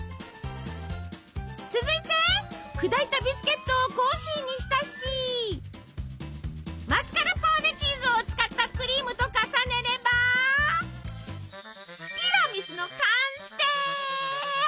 続いて砕いたビスケットをコーヒーに浸しマスカルポーネチーズを使ったクリームと重ねればティラミスの完成！